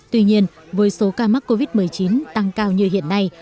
tuy nhiên với số ca mắc covid một mươi chín tăng cao như hiện nay